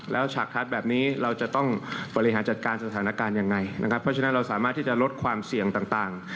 แล้วฉากคัดแบบนี้เราจะต้องบริหารจัดการสถานการณ์ยังไงนะครับเพราะฉะนั้นเราสามารถที่จะลดความเสี่ยงต่าง